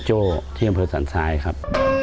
โจ้ที่อำเภอสันทรายครับ